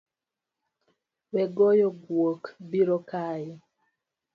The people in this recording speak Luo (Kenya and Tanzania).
Wegoyo guok biro kayi